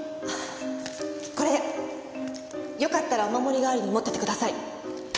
これよかったらお守り代わりに持っててください。